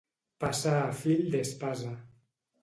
Passar a fil d'espasa.